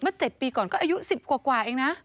๗ปีก่อนก็อายุ๑๐กว่าเองนะ